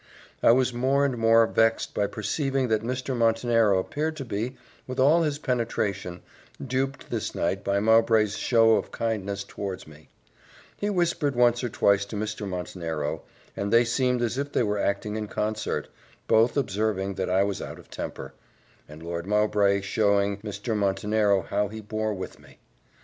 I was more and more vexed by perceiving that Mr. Montenero appeared to be, with all his penetration, duped this night by Mowbray's show of kindness towards me; he whispered once or twice to Mr. Montenero, and they seemed as if they were acting in concert, both observing that I was out of temper, and Lord Mowbray showing Mr. Montenero how he bore with me.